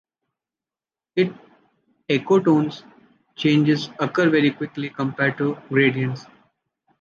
In ecotones changes occur very quickly compared to gradients.